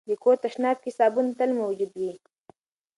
د کور تشناب کې صابون تل موجود وي.